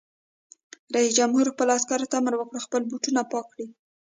رئیس جمهور خپلو عسکرو ته امر وکړ؛ خپل بوټونه پاک کړئ!